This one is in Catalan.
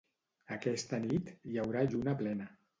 Aquesta nit hi haurà lluna plena.